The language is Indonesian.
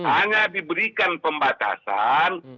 hanya diberikan pembatasan